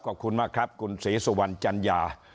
ขอบคุณมากครับคุณศรีสุวรรณจัญญา